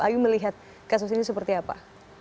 ayu melihat kasus ini seperti apa